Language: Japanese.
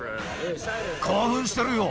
興奮してるよ。